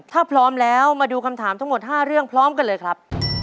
ถ้าพร้อมแล้วมาดูคำถามทั้งหมด๕เรื่องพร้อมกันเลยครับ